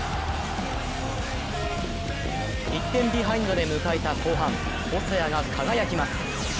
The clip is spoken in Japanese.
１点ビハインドで迎えた後半細谷が輝きます。